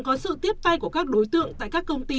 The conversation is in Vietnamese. có sự tiếp tay của các đối tượng tại các công ty